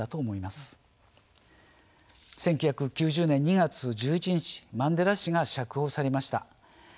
１９９０年２月１１日マンデラ氏が釈放されました。